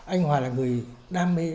anh hòa là người đam mê